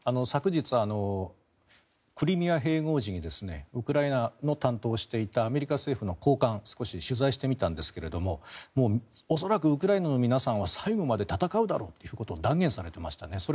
昨日、クリミア併合時にウクライナの担当をしていたアメリカ政府の高官少し取材してみたんですが恐らく、ウクライナの皆さんは最後まで戦うだろうと断言されていましたね。